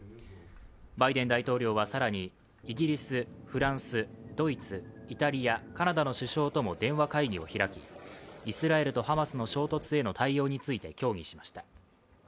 バイデン大統領は更に、イギリス、フランス、ドイツ、イタリア、カナダの首相とも電話会議を開きイスラエルとハマスの衝突への対応について協議しました。